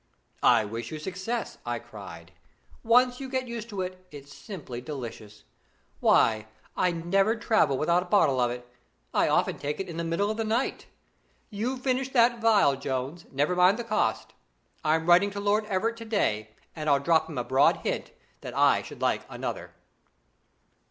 'I wish you success!' I cried. 'Once you get used to it, it's simply delicious. Why, I'd never travel without a bottle of it. I often take it in the middle of the night. You finish that phial, Jones; never mind the cost. I'm writing to Lord Everett to day, and I'll drop him a broad hint that I should like another.'